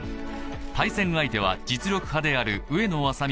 対戦相手は実力派である上野愛咲美